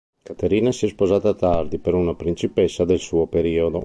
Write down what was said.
Caterina si è sposata tardi per una principessa del suo periodo.